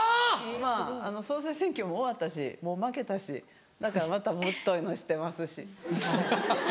今総裁選挙も終わったしもう負けたしだからまたぶっといのしてますしはい。